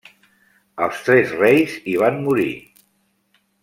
Els tres reis hi van morir.